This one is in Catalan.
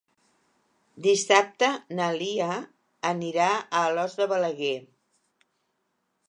Dissabte na Lia anirà a Alòs de Balaguer.